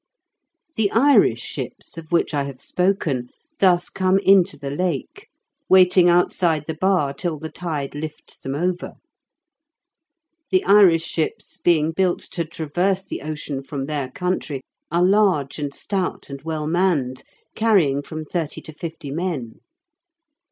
The Irish ships, of which I have spoken, thus come into the Lake, waiting outside the bar till the tide lifts them over. The Irish ships, being built to traverse the ocean from their country, are large and stout and well manned, carrying from thirty to fifty men.